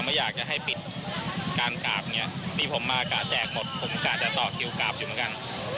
ไม่อยากจะให้ปิดการกราบเนี่ยนี่ผมมากะแจกหมดผมกะจะต่อคิวกราบอยู่เหมือนกัน